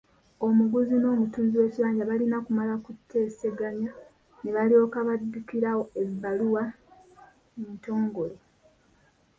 Omuguzi n’omutunzi w’ekibanja balina kumala kuteeseganya ne balyoka baddukira ebbaluwa entongole.